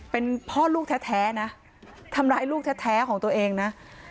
เป็นพ่อลูกแท้นะทำร้ายลูกแท้ของตัวเองนะ